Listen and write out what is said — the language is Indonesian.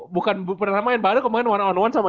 bukan pernah main padahal kemarin one on one sama